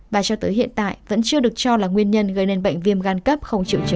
và cho tới hiện tại vẫn chưa được cho là nguyên nhân gây nên bệnh viêm gan cấp không chịu chứng